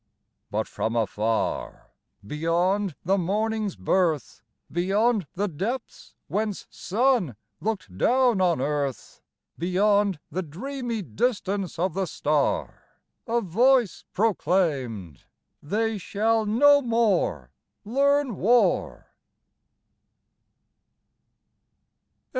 But from afar beyond the Morning's birth, Beyond the depths whence Sun looked down on earth, Beyond the dreamy distance of the Star, A voice proclaimed: "They shall no more learn war."